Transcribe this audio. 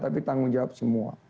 tapi tanggung jawab semua